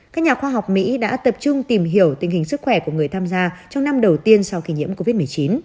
các nhà khoa học mỹ đã tập trung tìm hiểu tình hình sức khỏe của người tham gia trong năm đầu tiên sau khi nhiễm covid một mươi chín